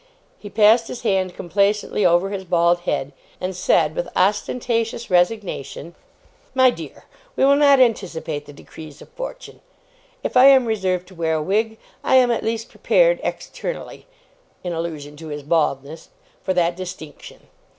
He passed his hand complacently over his bald head, and said with ostentatious resignation: 'My dear, we will not anticipate the decrees of fortune. If I am reserved to wear a wig, I am at least prepared, externally,' in allusion to his baldness, 'for that distinction.